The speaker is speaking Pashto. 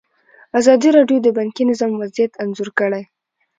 ازادي راډیو د بانکي نظام وضعیت انځور کړی.